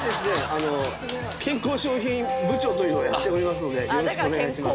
あの健ＫＯＯ商品部長というのをやっておりますのでよろしくお願いします